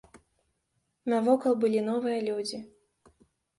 Навокал былі новыя людзі.